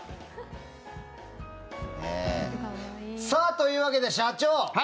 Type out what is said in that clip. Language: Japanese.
さあ、というわけで社長！